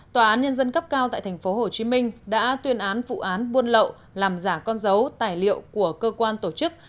tòa án nhân dân cấp cao tại tp hcm đã tuyên án vụ án buôn lậu làm giả con dấu tài liệu của cơ quan tổ chức